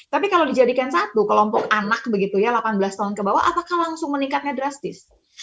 tapi kalau dijadikan satu kelompok anak begitu ya delapan belas tahun ke bawah apakah langsung meningkatnya drastis